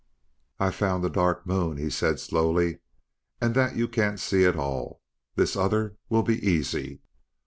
"I found the Dark Moon," he said slowly, "and that you can't see at all. This other will be easy."